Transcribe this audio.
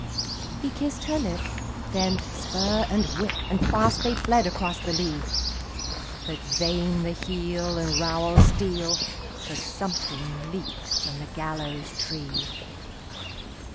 He kissed her lip; then spur and whip! And fast they fled across the lea! But vain the heel and rowel steel, For something leaped from the gallows tree!